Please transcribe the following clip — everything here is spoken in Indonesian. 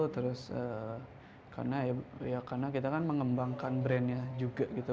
terus karena kita kan mengembangkan brand nya juga gitu